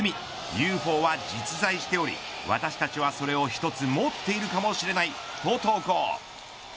ＵＦＯは実在しており私たちはそれを１つ持っているかもしれないと投稿。